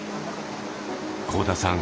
幸田さん